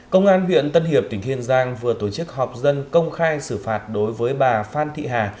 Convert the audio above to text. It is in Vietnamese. công an huyện tân hiệp tỉnh kiên giang vừa tổ chức họp dân công khai xử phạt đối với bà phan thị hà